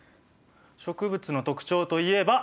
植物の特徴といえば。